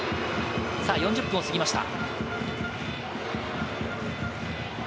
４０分を過ぎました。